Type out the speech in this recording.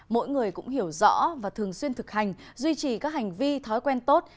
mỗi người cũng hiểu rõ và thường xuyên thực hành duy trì các hành vi thói quen tốt